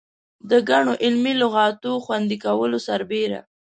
د ګڼو علمي لغاتو خوندي کولو سربېره.